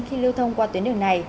khi lưu thông qua tuyến đường này